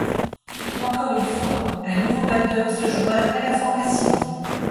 Encore une fois, un nouveau batteur se joint à la formation.